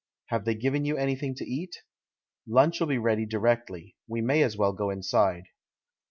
Have they given you anything to eat? Lunch'll be ready directly — we may as well go inside."